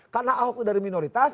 karena ahok itu dari minoritas